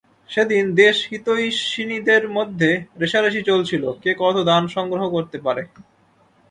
সেদিন দেশহিতৈষিণীদের মধ্যে রেষারেষি চলছিল,– কে কত দান সংগ্রহ করতে পারে।